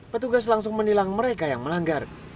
petugas langsung menilang mereka yang melanggar